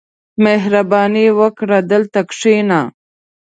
• مهرباني وکړه، دلته کښېنه.